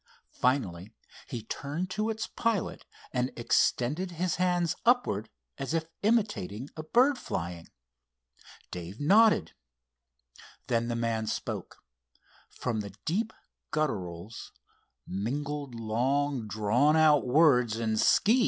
Finally he turned to its pilot, and extended his hands upwards, as if imitating a bird flying. Dave nodded. Then the man spoke. From the deep gutterals, mingled long drawn out words and "skis."